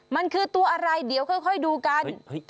มันคือตัวอะไรเดี๋ยวค่อยดูกัน